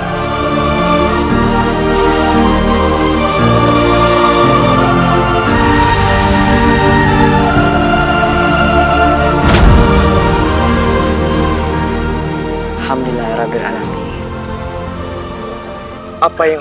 lihatlah bagaimana yang ada di atas gitar di mana